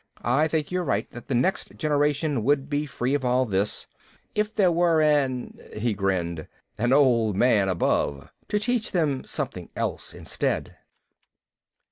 I think you're right that the next generation would be free of all this, if there were an " He grinned. " An Old Man Above to teach them something else instead."